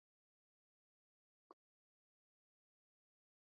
Se colocan dos altavoces a la izquierda y derecha del oyente.